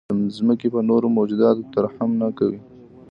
د ځمکې په نورو موجوداتو ترحم نه کوئ.